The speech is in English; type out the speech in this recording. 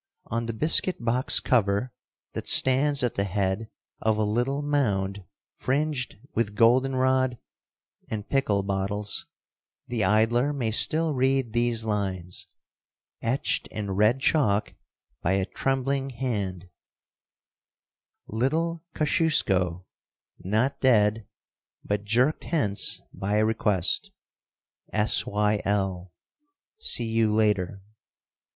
On the biscuit box cover that stands at the head of a little mound fringed with golden rod and pickle bottles, the idler may still read these lines, etched in red chalk by a trembling hand: LITTLE KOSCIUSKO, NOT DEAD, BUT JERKED HENCE By Request. S.Y.L. (See you Later.)